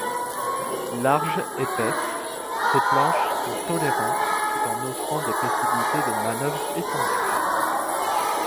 Larges, épaisses, ces planches sont tolérantes tout en offrant des possibilités de manœuvre étendues.